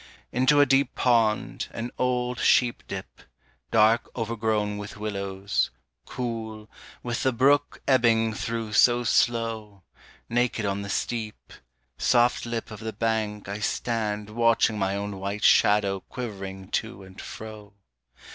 Into a deep pond, an old sheep dip, Dark, overgrown with willows, cool, with the brook ebbing through so slow, Naked on the steep, soft lip Of the bank I stand watching my own white shadow quivering to and fro.